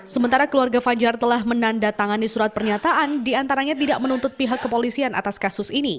sementara keluarga fajar telah menandatangani surat pernyataan diantaranya tidak menuntut pihak kepolisian atas kasus ini